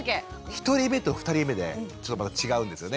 １人目と２人目でちょっとまた違うんですよね。